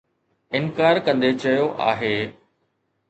انڪار ڪندي چيو آهي